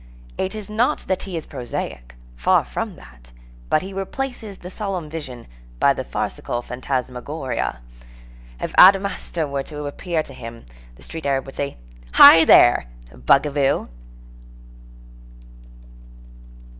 It is not that he is prosaic; far from that; but he replaces the solemn vision by the farcical phantasmagoria. If Adamastor were to appear to him, the street Arab would say: "Hi there! The bugaboo!"